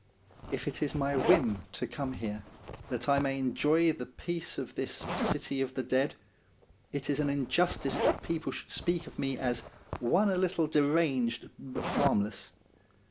If it is my whim to come here, that I may enjoy the peace of this ' City of the Dead,' it is an injustice that people should speak of me as ' one a little deranged, but harmless.'